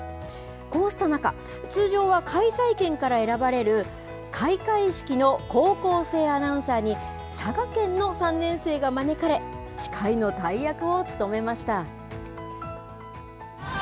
こうした中、通常は開催県から選ばれる開会式の高校生アナウンサーに、佐賀県の３年生が招かれ、司会の大役を務めました。